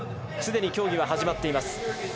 既に競技は始まっています。